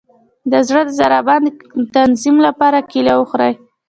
د زړه د ضربان د تنظیم لپاره کیله وخورئ